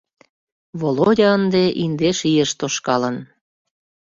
Володя ынде индеш ийыш тошкалын.